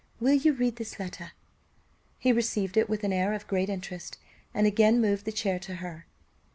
Will you read this letter?" He received it with an air of great interest, and again moved the chair to her.